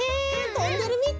とんでるみたい。